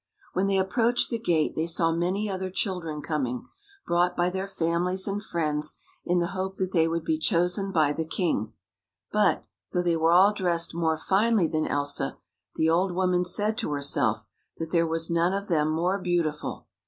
When they approached the gate, they saw many other children coming, brought by their families and friends in the hope that they would be chosen by the king; but, though they were all dressed more finely than Elsa, the old woman said to herself that there was none of them more beautiful.